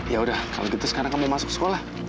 yaudah kalau gitu sekarang kamu masuk sekolah